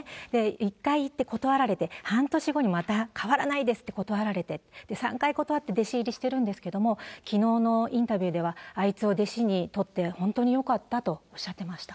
１回行って断られて、半年後にまた変わらないですって、断られて、３回断って弟子入りしてるんですけども、きのうのインタビューでは、あいつを弟子にとって本当によかったとおっしゃってました。